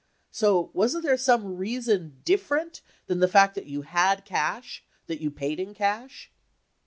So, wasn't there some rea son different than the fact that you had cash that you paid in cash?